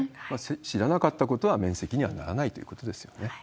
知らなかったことは免責にはならないということですよね。